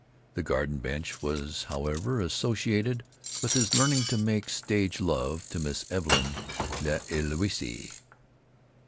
The garden bench was, however, associated with his learning to make stage love to Miss Evelyn L'Ewysse.